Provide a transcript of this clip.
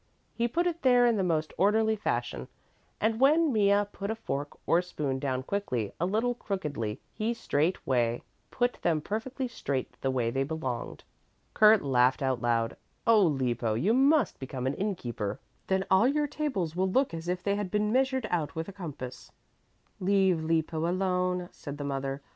He put it there in the most orderly fashion, and when Mea put a fork or spoon down quickly a little crookedly, he straightway put them perfectly straight the way they belonged. Kurt laughed out loud, "Oh, Lippo, you must become an inn keeper, then all your tables will look as if they had been measured out with a compass." "Leave Lippo alone," said the mother.